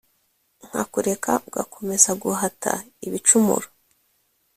Nkakureka ugakomezaGuhata ibicumuro